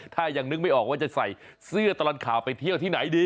ถ้ายังนึกไม่ออกว่าจะใส่เสื้อตลอดข่าวไปเที่ยวที่ไหนดี